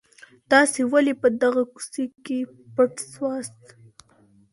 تاسي ولي په دغه کوڅې کي پټ سواست؟